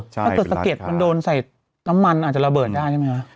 ถ้าเกิดสะเก็ดมันโดนใส่น้ำมันอาจจะระเบิดได้ใช่ไหมคะ